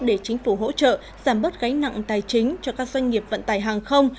để chính phủ hỗ trợ giảm bớt gánh nặng tài chính cho các doanh nghiệp vận tải hàng không